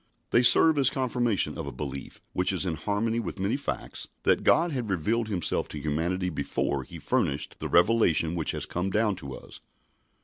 They serve as confirmation of a belief, which is in harmony with many facts, that God had revealed Himself to humanity before He furnished the revelation which has come down to us.